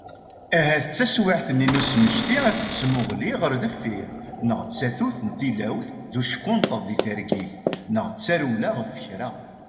Ahat d taswiɛt-nni n usmekti akked tmuɣli ɣer deffir, neɣ d tatut n tilawt d uckenṭeḍ di targit, neɣ d tarewla ɣef kra.